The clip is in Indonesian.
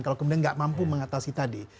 kalau kemudian nggak mampu mengatasi tadi